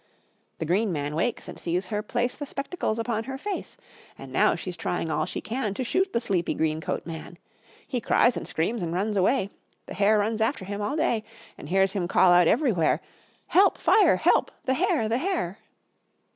The green man wakes and sees her place The spectacles upon her face; And now she's trying all she can To shoot the sleepy, green coat man. He cries and screams and runs away; The hare runs after him all day And hears him call out everywhere: "Help! Fire! Help! The Hare! The Hare!"